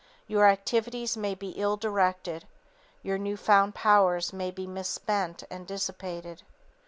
_ Your activities may be ill directed. Your new found powers may be misspent and dissipated.